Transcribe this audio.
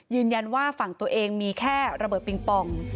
ยืนยันว่าฝั่งตัวเองมีแค่ระเบิดปิงปอง